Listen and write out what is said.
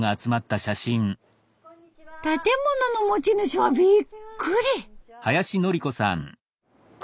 建物の持ち主はびっくり！